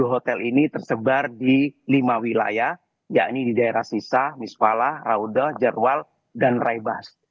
satu ratus tujuh puluh hotel ini tersebar di lima wilayah yakni di daerah sisa misvalah raudah jarwal dan raibas